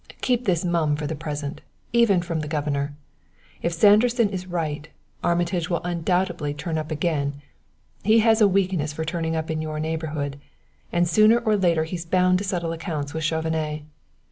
Keep this mum for the present even from the governor. If Sanderson is right, Armitage will undoubtedly turn up again he has a weakness for turning up in your neighborhood! and sooner or later he's bound to settle accounts with Chauvenet.